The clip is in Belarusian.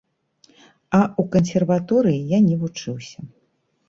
А ў кансерваторыі я не вучыўся.